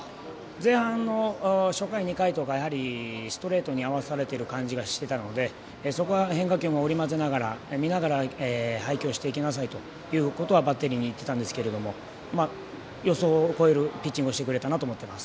前半の初回２回とかストレートに合わされている感じがしてたのでそこは変化球も織り交ぜながら見ながら配球をしていきなさいとバッテリーにいってたんですけど予想を超えるピッチングをしてくれたなと思っています。